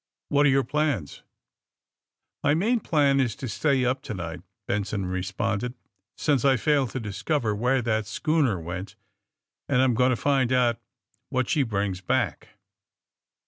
What are your plans r^ ^^My main plan is to stay up to night, " Ben son responded. ^^ Since I failed to discover where that schooner went I'm going to find out what she brings back."